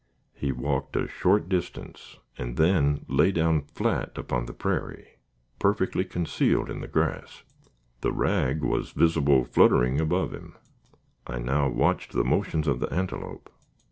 He walked a short distance, and then lay down flat upon the prairie, perfectly concealed in the grass. The rag was visible, fluttering above him. I now watched the motions of the antelope.